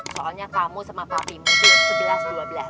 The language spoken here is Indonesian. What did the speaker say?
soalnya kamu sama papimu di sebelah satu ratus dua belas